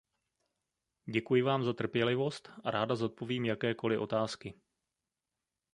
Děkuji vám za trpělivost a ráda zodpovím jakékoli otázky.